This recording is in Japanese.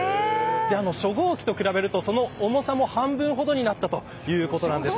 初号機と比べると、その重さも半分ほどになったということなんです。